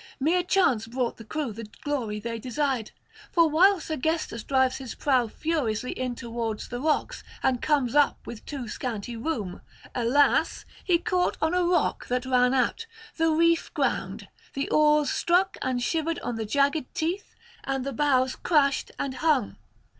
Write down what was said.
Mere chance brought the crew the glory they desired. For while Sergestus drives his prow furiously in towards the rocks and comes up with too scanty room, alas! he caught on a rock that ran out; the reef ground, the oars struck and shivered on the jagged teeth, and the bows crashed and hung.